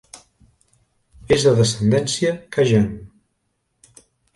És de descendència Cajun.